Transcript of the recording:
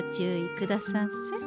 くださんせ。